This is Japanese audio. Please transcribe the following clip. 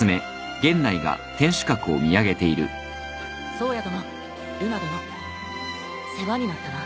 颯也殿ルナ殿世話になったな。